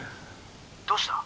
どうした？